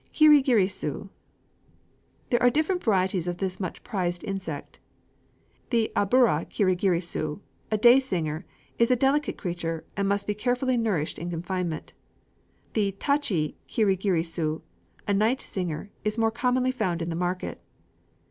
[Illustration: UMAOI (natural size).] Kirigirisu. There are different varieties of this much prized insect. The abura kirigirisu, a day singer, is a delicate creature, and must be carefully nourished in confinement. The tachi kirigirisu, a night singer, is more commonly found in the market.